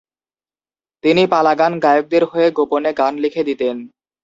তিনি পালা গান গায়কদের হয়ে গোপনে গান লিখে দিতেন।